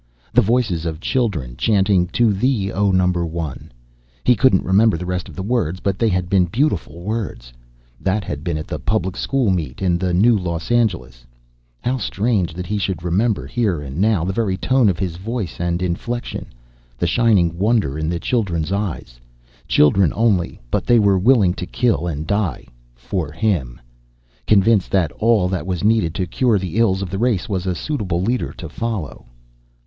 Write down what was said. The voices of children chanting, "To thee, O Number One " He couldn't remember the rest of the words, but they had been beautiful words. That had been at the public school meet in the New Los Angeles. How strange that he should remember, here and now, the very tone of his voice and inflection, the shining wonder in their children's eyes. Children only, but they were willing to kill and die, for him, convinced that all that was needed to cure the ills of the race was a suitable leader to follow.